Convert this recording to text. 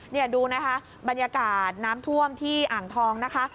นี่ดูนะคะบรรยากาศน้ำท่วมที่อ่างทองนะคะ